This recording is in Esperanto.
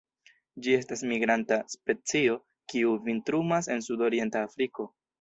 Ĝi estas migranta specio, kiu vintrumas en sudorienta Afriko.